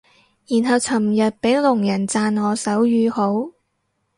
然後尋日俾聾人讚我手語好